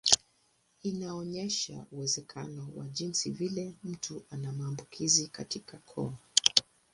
Inaonyesha uwezekano wa jinsi vile mtu ana maambukizi katika koo.